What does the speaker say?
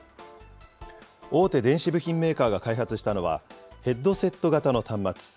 大手電子部品メーカーが開発したのは、ヘッドセット型の端末。